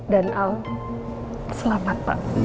dan al selamat pak